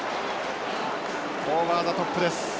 オーバーザトップです。